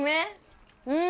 うん！